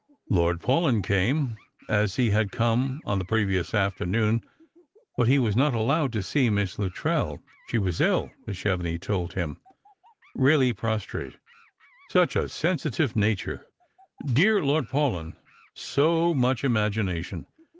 Lord Paulyn came, as he had come on the previous afternoon; but he was not allowed to see Miss Luttrell. She was ill, Mrs. Chevenix t old him, really prostrate; such a sensitive nature, dear Lord Paulyn, so much imagination.